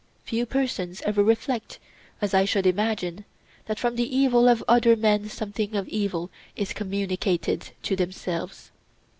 Few persons ever reflect, as I should imagine, that from the evil of other men something of evil is communicated to themselves.